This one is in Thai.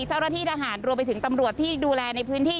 เจ้าหน้าที่ทหารรวมไปถึงตำรวจที่ดูแลในพื้นที่